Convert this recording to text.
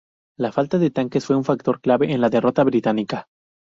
La falta de tanques fue un factor clave en la derrota británica.